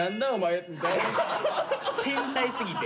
天才すぎて。